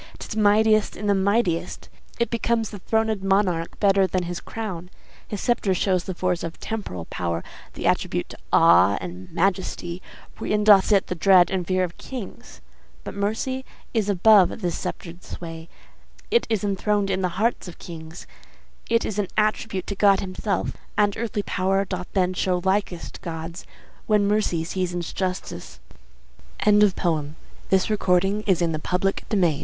'Tis mightiest in the mightiest; it becomes The throned monarch better than his crown; His sceptre shows the force of temporal power, The attribute to awe and majesty, Wherein doth sit the dread and fear of kings; But mercy is above this sceptred sway, It is enthroned in the hearts of kings, It is an attribute to God himself; And earthly power doth then show likest God's When mercy seasons justice. Therefore, Jew, Though justice be